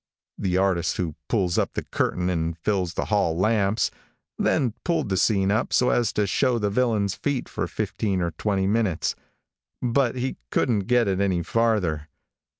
The artist who pulls up the curtain and fills the hall lamps, then pulled the scene up so as to show the villain's feet for fifteen or twenty minutes, but he couldn't get it any farther.